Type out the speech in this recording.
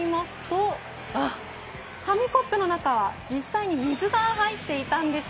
紙コップの中実際に水が入っていたんです。